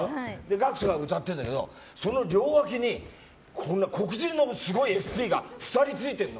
ＧＡＣＫＴが歌ってるんだけどその両脇に、黒人のすごいＳＰが２人ついてるの。